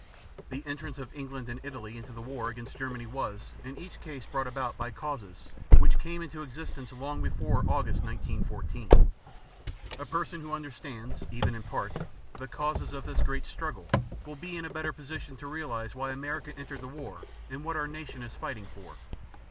The entrance of England and Italy into the war against Germany was in each case brought about by causes which came into existence long before August, 1914. A person who understands, even in part, the causes of this great struggle, will be in a better position to realize why America entered the war and what our nation is fighting for.